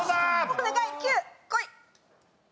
お願い９こい！